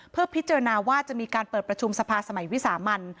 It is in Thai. เพื่อพิจารณาว่าจะมีการเปิดประชุมสภาสมัยวิสามัน